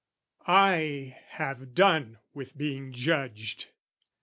I have done with being judged.